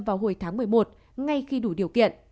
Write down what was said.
vào hồi tháng một mươi một ngay khi đủ điều kiện